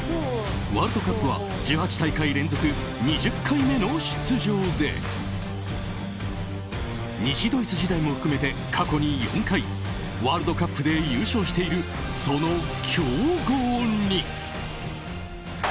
ワールドカップは１８大会連続２０回目の出場で西ドイツ時代も含めて過去に４回ワールドカップで優勝しているその強豪に。